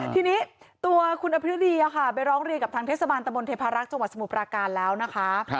ทีนี้ตัวคุณอภิดีไปร้องเรียนกับทางเทศบาลตะบนเทพารักษ์จังหวัดสมุทรปราการแล้วนะคะ